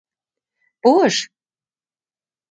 Пуыш?